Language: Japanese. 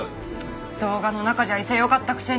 動画の中じゃ威勢よかったくせに。